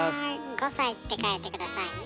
「５さい」って書いて下さいね。